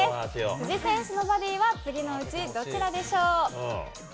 辻選手のバディは、次のうちどちらでしょう？